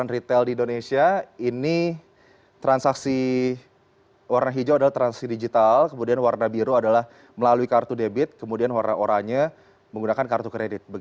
retail di indonesia ini transaksi warna hijau adalah transaksi digital kemudian warna biru adalah melalui kartu debit kemudian warna oranye menggunakan kartu kredit